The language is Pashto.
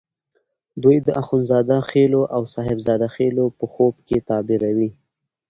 دوی د اخند زاده خېلو او صاحب زاده خېلو په خوب کې تعبیروي.